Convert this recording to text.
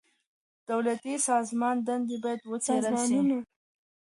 د دولتي سازمانونو دندي بايد وڅېړل سي.